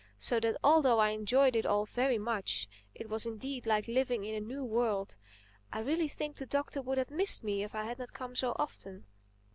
So that although I enjoyed it all very much (it was indeed like living in a new world) I really think the Doctor would have missed me if I had not come so often.